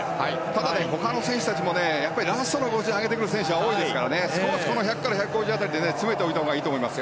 ただ他の選手たちもラストの５０を上げてくる選手が多いですから１００から１５０辺りで詰めておいたほうがいいと思います。